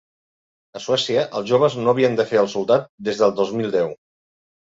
A Suècia els joves no havien de fer el soldat des del dos mil deu.